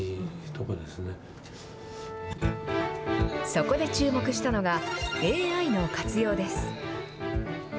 そこで注目したのが、ＡＩの活用です。